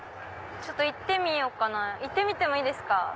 ちょっと行ってみようかな行ってみてもいいですか？